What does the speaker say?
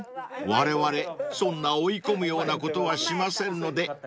われわれそんな追い込むようなことはしませんのでご安心を］